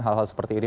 hal hal seperti ini